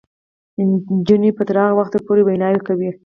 نجونې به تر هغه وخته پورې ویناوې کوي.